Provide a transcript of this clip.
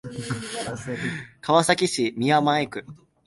川崎市宮前区